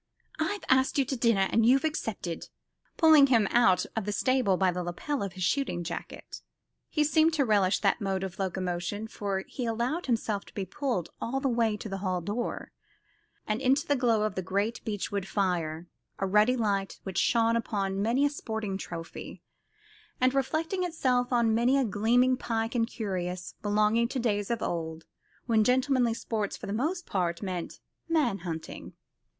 "I've asked you to dinner, and you've accepted," cried Vixen, pulling him out of the stable by the lapel of his shooting jacket. He seemed to relish that mode of locomotion, for he allowed himself to be pulled all the way to the hall door, and into the glow of the great beech wood fire; a ruddy light which shone upon many a sporting trophy, and reflected itself on many a gleaming pike and cuirass, belonging to days of old, when gentlemanly sport for the most part meant man hunting.